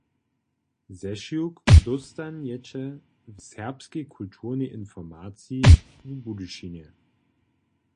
Zešiwk dóstanjeće w Serbskej kulturnej informaciji w Budyšinje.